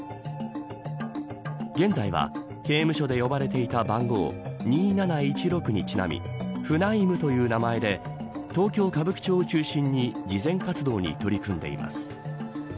現在は刑務所で呼ばれていた番号２７１６にちなみフナイムという名前で東京、歌舞伎町を中心に慈善活動に取り組んでいます。